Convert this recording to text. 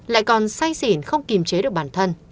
lại còn say xỉn không kìm chế được bản thân